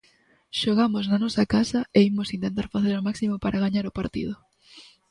Xogamos na nosa casa e imos intentar facer o máximo para gañar o partido.